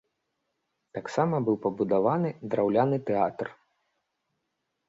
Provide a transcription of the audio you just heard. Таксама быў пабудаваны драўляны тэатр.